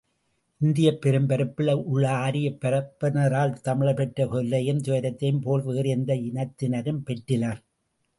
இந்தியப் பெரும்பரப்பில் உள்ள ஆரியப் பார்ப்பனரால் தமிழர் பெற்ற தொல்லையையும் துயரத்தையும் போல் வேறு எந்த இனத்தினரும் பெற்றிலர்.